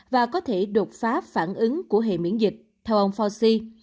và có thể đột phá phản ứng của hệ miễn dịch theo ông foci